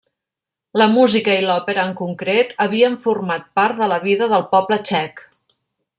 La música i l'òpera en concret havien format part de la vida del poble txec.